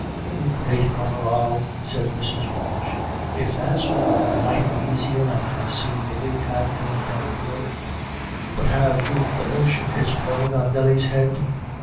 "You great gomeral," said Mrs. Walsh. "If that's all you might aisy enough ha' seen the big hat goin' the road but have you the notion it's growin' on Nelly's head?